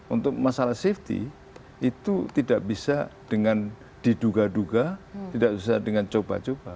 untuk masalah safety itu tidak bisa dengan diduga duga tidak bisa dengan coba coba